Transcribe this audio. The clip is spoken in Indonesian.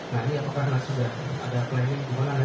nah ini apakah sudah ada planning gimana